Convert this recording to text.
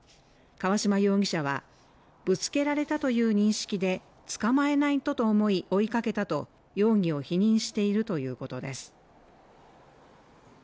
川島容疑者はぶつけられたという認識で捕まえないとと思い追いかけたと容疑を否認しているということです